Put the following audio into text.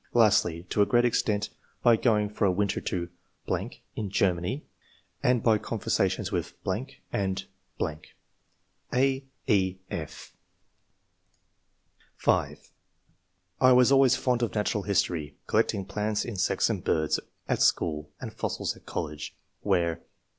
Lastly, to a great extent by going for a winter to .... [in Ger many], and by conversations with .... and ...." (a, c,/) (5) " I was always fond of natural history ; collected plants, insects, and birds, at [school] and fossils at [college], where